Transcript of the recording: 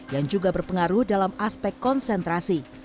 yang juga berpengaruh dalam aspek konsentrasi